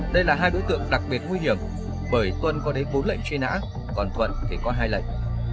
đây là hai đối tượng đặc biệt nguy hiểm bởi tuân có đến bốn lệnh truy nã còn thuận thì có hai lệnh